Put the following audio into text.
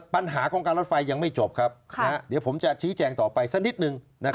ปัญหาของการรถไฟยังไม่จบครับเดี๋ยวผมจะชี้แจงต่อไปสักนิดนึง